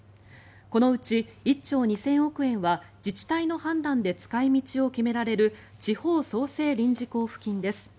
このうち１兆２０００億円は自治体の判断で使い道を決められる地方創生臨時交付金です。